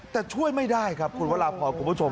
แต่ช่วยไม่ได้ครับคุณวราพรคุณผู้ชม